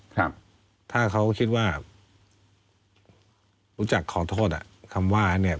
ครับถ้าเขาคิดว่ารู้จักขอโทษอ่ะคำว่าเนี่ย